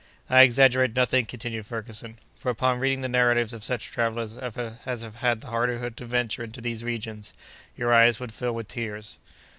"I exaggerate nothing," continued Ferguson, "for, upon reading the narratives of such travellers as have had the hardihood to venture into these regions, your eyes would fill with tears."